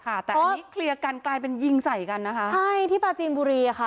แต่อันนี้เคลียร์กันกลายเป็นยิงใส่กันนะคะใช่ที่ปลาจีนบุรีอ่ะค่ะ